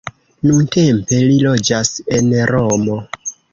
Nuntempe li loĝas en Romo.